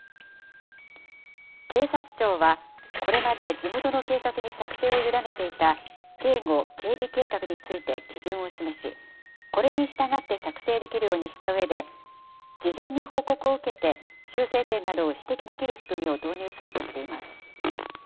警察庁は、これまで地元の警察に作成を委ねていた、警護・警備計画について基準を示し、これに従って作成できるようにしたうえで、事前に報告を受けて、修正点などを指摘できる仕組みを導入するとしています。